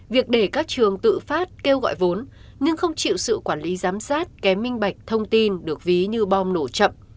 việc để các trường tự phát kêu gọi vốn nhưng không chịu sự quản lý giám sát kém minh bạch thông tin được ví như bom nổ chậm